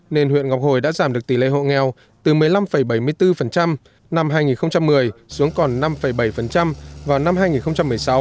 nên huyện ngọc hồi đã giảm được tỷ lệ hộ nghèo từ một mươi năm bảy mươi bốn năm hai nghìn một mươi xuống còn năm bảy vào năm hai nghìn một mươi sáu